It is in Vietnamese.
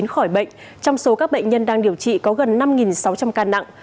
khỏi bệnh trong số các bệnh nhân đang điều trị có gần năm sáu trăm linh ca nặng